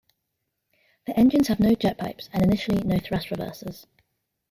The engines have no jetpipes, and initially no thrust reversers.